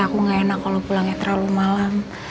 aku gak enak kalau pulangnya terlalu malam